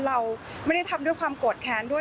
เราไม่ได้ทำด้วยความโกรธแค้นด้วย